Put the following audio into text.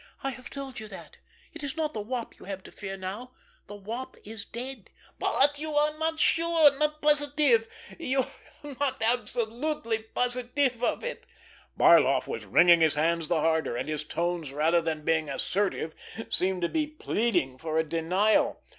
"I have told you that. It is not the Wop you have to fear now. The Wop is dead." "But you are not sure, not positive, not absolutely positive of it!" Barloff was wringing his hands the harder; and his tones, rather than being assertive, seemed to be pleading for a denial.